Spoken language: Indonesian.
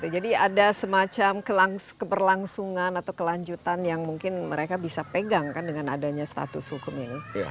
jadi ada semacam keberlangsungan atau kelanjutan yang mungkin mereka bisa pegangkan dengan adanya status hukum ini